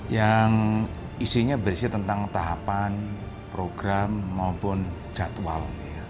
yang isinya berisi tentang tahapan program maupun jadwal